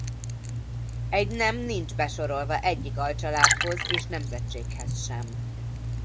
Egy nem nincs besorolva egyik alcsaládhoz és nemzetséghez sem.